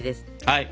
はい。